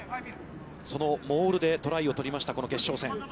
そのモールでトライを取りました、この決勝戦。